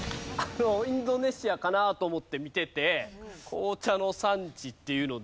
インドネシアかなと思って見ていて紅茶の産地っていうので。